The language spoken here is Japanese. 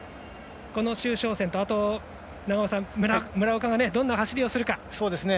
この周召倩と村岡がどんな走りをするか。